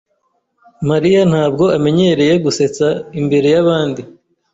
Mariya ntabwo amenyereye gusetsa imbere yabandi.